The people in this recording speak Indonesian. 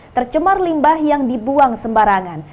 tercemar limbah yang dibuang sembarangan